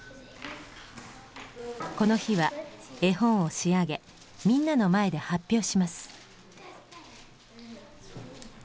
この日は絵本を仕上げみんなの前で発表します。